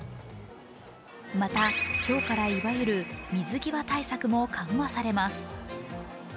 また、今日からいわゆる水際対策も緩和されます。